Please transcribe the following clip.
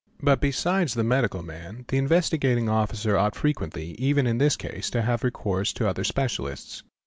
| "I But, besides the medical man, the Investigating Officer ought fre quently, even in this case, to have recourse to other specialists.